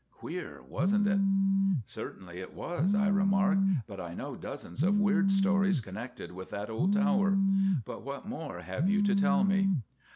Queer, wasn't it?" "Certainly it was," I remarked; "but I know dozens of weird stories connected with that old tower. But what more have you to tell me?"